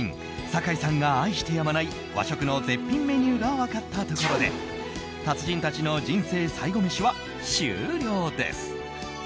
坂井さんが愛してやまない和食の絶品メニューが分かったところで達人たちの人生最後メシは終了です。